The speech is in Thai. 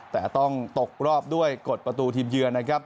แต่ต้องตกรอบด้วยกฎประตูทีมเยือนนะครับ